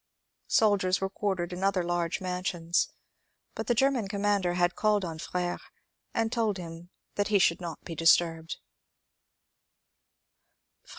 Soldiers were quartered in other large mansions, but the German conmiander had called on Fr^re and told him that he should not be disturbed.